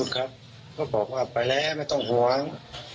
ก็บอกว่าไปและไม่ต้องหวัง